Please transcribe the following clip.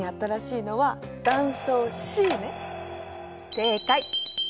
正解！